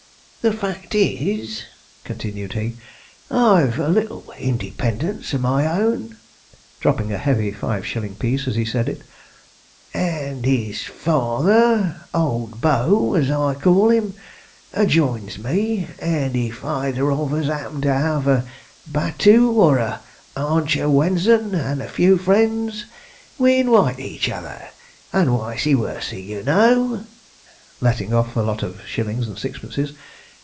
The fact is,' continued he, 'I've a little independence of my own,' dropping a heavy five shilling piece as he said it,' and his father old Bo, as I call him adjoins me; and if either of us 'appen to have a battue, or a 'aunch of wenzun, and a few friends, we inwite each other, and wicey wersey, you know,' letting off a lot of shillings and sixpences.